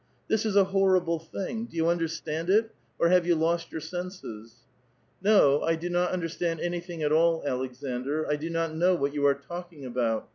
• This is a horrible thing ; do you understand it, or *^a.ve you lost your senses? "^" Ko ; I do not understand anything at all, Aleksandr. * <lo not know what you are talking about.